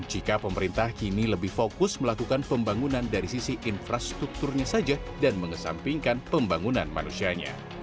jika pemerintah kini lebih fokus melakukan pembangunan dari sisi infrastrukturnya saja dan mengesampingkan pembangunan manusianya